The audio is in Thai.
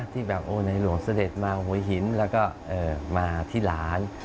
ที่แบบโอ้ในหลวงเสด็จมาหัวหินแล้วก็มาที่หลาน